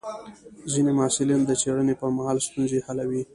ځینې محصلین د څېړنې پر مهال ستونزې حلوي.